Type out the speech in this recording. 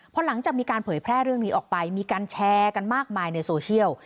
พอหลังจากมีการเผยแพร่เรื่องนี้ออกไปมีการแชร์กันมากมายในโซเชียล